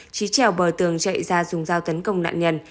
trí trèo bờ tường chạy ra dùng dao tấn công nạn nhân